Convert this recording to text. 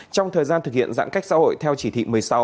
trong thời gian thực hiện giãn cách xã hội theo chỉ thị một mươi sáu